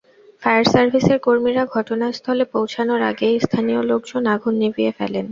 Fire সার্ভিসের কর্মীরা ঘটনাস্থলে পৌঁছানোর আগেই স্থানীয় লোকজন আগুন নিভিয়ে ফেলেন।